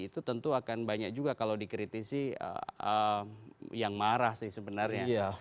itu tentu akan banyak juga kalau dikritisi yang marah sih sebenarnya